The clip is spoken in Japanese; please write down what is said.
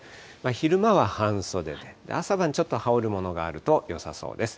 昼間は半袖で、朝晩ちょっと羽織るものがあるとよさそうです。